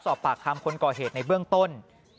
สอบปากคำคนก่อเหตุในเบื้องต้น